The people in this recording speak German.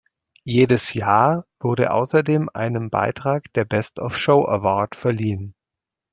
Jedes Jahr wurde außerdem einem Beitrag der "Best of Show award" verliehen.